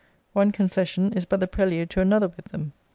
One concession is but the prelude to another with them.